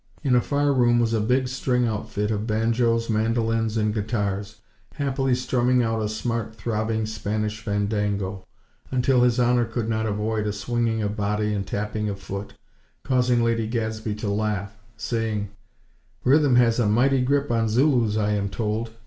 In a far room was a big string outfit of banjos, mandolins and guitars, happily strumming out a smart, throbbing Spanish fandango, until His Honor could not avoid a swinging of body and tapping of foot; causing Lady Gadsby to laugh, saying: "Rhythm has a mighty grip on Zulus, I am told."